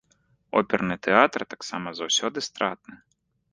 Оперны тэатр таксама заўсёды стратны.